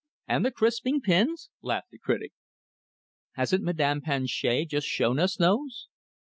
"And the crisping pins?" laughed the critic. "Hasn't Madame Planchet just shown us those?"